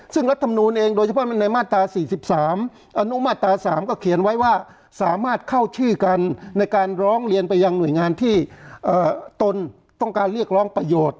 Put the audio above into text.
ซึ่งรัฐมนูลเองโดยเฉพาะมันในมาตรา๔๓อนุมาตรา๓ก็เขียนไว้ว่าสามารถเข้าชื่อกันในการร้องเรียนไปยังหน่วยงานที่ตนต้องการเรียกร้องประโยชน์